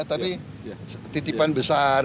tapi titipan besar